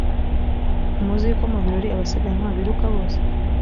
ntimuzi yuko mu birori abasiganwa biruka bose .